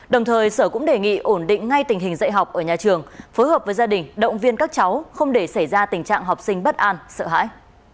đồng thời sở cũng đề nghị ổn định ngay tình hình dạy học ở nhà trường phối hợp với gia đình động viên các cháu không để xảy ra tình trạng học sinh bất an sợ hãi